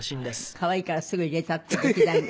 可愛いからすぐ入れたって。